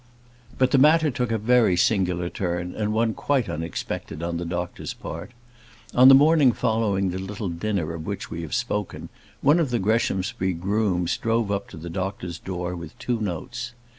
But the matter took a very singular turn, and one quite unexpected on the doctor's part. On the morning following the little dinner of which we have spoken, one of the Greshamsbury grooms rode up to the doctor's door with two notes.